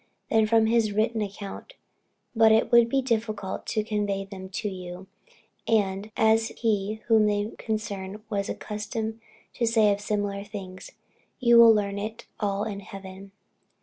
than from his written account; but it would be difficult to convey them to you; and, as he whom they concern was accustomed to say of similar things, "you will learn it all in heaven."